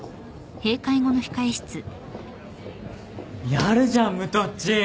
やるじゃん武藤っち。